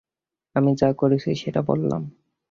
আমি যা করেছি, সেটা বললাম।